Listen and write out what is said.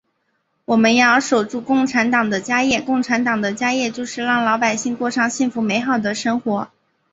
我们要守住共产党的家业，共产党的家业就是让老百姓过上幸福美好的生活。